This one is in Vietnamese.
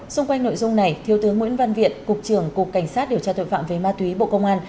xung quanh nội dung này thiếu tướng nguyễn văn viện cục trưởng cục cảnh sát điều tra tội phạm về ma túy bộ công an